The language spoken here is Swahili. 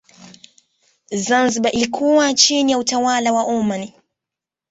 Zanzibar ilikuwa chini ya utawala wa Oman